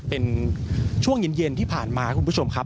เป็นช่วงเย็นที่ผ่านมาคุณผู้ชมครับ